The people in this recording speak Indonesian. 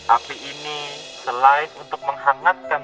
api ini selain untuk menghangatkan